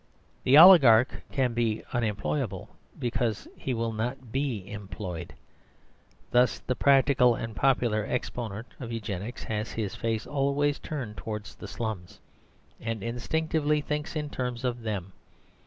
The oligarch can be unemployable, because he will not be employed. Thus the practical and popular exponent of Eugenics has his face always turned towards the slums, and instinctively thinks in terms of them.